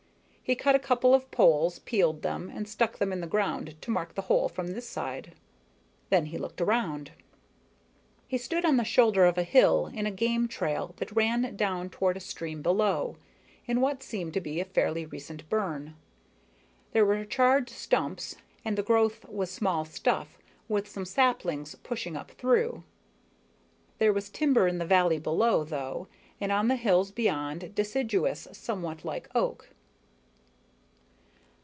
He cut a couple of poles, peeled them, and stuck them in the ground to mark the hole from this side. Then he looked around. He stood on the shoulder of a hill, in a game trail that ran down toward a stream below, in what seemed to be a fairly recent burn. There were charred stumps, and the growth was small stuff, with some saplings pushing up through. There was timber in the valley below, though, and on the hills beyond, deciduous, somewhat like oak.